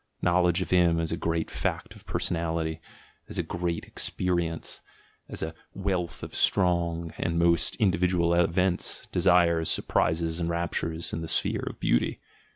— Knowledge of him as a great fact of per sonality, as a great experience, as a wealth of strong and most individual events, desires, surprises, and raptures in the sphere of beauty!